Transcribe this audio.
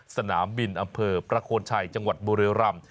สนามบินอำเภอประโคนชัยจังหวัดบุรีรำ